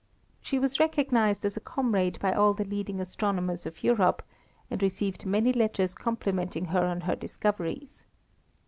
She was recognised as a comrade by all the leading astronomers of Europe, and received many letters complimenting her on her discoveries.